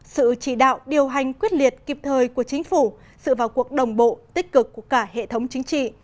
sự chỉ đạo điều hành quyết liệt kịp thời của chính phủ sự vào cuộc đồng bộ tích cực của cả hệ thống chính trị